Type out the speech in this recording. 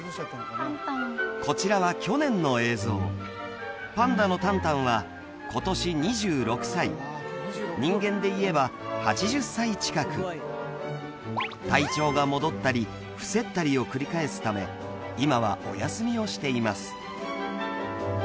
こちらは去年の映像パンダの旦旦は今年２６歳人間でいえば８０歳近く体調が戻ったり伏せったりを繰り返すため今はお休みをしています